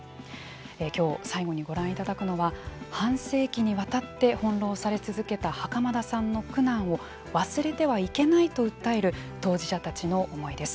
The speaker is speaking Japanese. きょう最後にご覧いただくのは半世紀にわたって翻弄され続けた袴田さんの苦難を忘れてはいけないと訴える当事者たちの思いです。